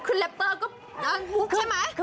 ได้ขึ้นลับเตอร์